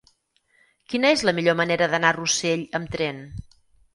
Quina és la millor manera d'anar a Rossell amb tren?